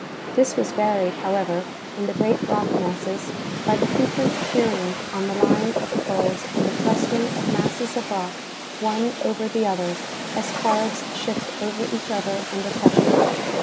This Avas varied, however, in the great rock masses by the frequent shearing on the line of the folds and the thrusting of masses of rock one over the other, as cards shift over each other under pressure.